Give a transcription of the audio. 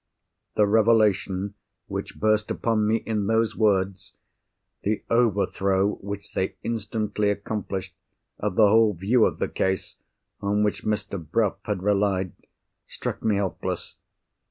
_" The revelation which burst upon me in those words, the overthrow which they instantly accomplished of the whole view of the case on which Mr. Bruff had relied, struck me helpless.